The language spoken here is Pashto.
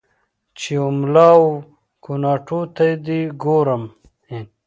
چې و مـــلا و کوناټیــــو ته دې ګورم